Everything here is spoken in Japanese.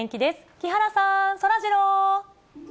木原さん、そらジロー。